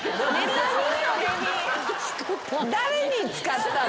誰に使ったの？